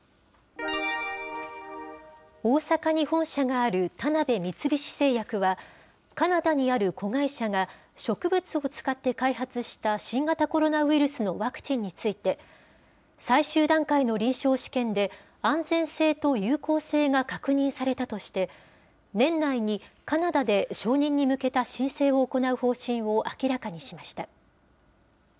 大阪に本社がある田辺三菱製薬は、カナダにある子会社が、植物を使って開発した新型コロナウイルスのワクチンについて、最終段階の臨床試験で安全性と有効性が確認されたとして、年内にカナダで承認に向けた申請を行う方針を明らかにしました。